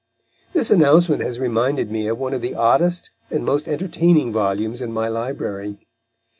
This announcement has reminded me of one of the oddest and most entertaining volumes in my library.